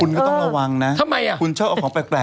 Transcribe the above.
คุณก็ต้องระวังนะทำไมอะ